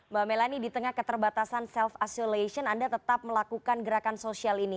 mbak melani di tengah keterbatasan self isolation anda tetap melakukan gerakan sosial ini